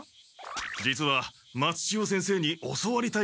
実は松千代先生に教わりたいことがあるんです。